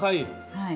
はい。